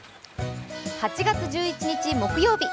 ８月１１日木曜日。